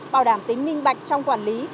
bảo đảm tính minh bạch trong quản lý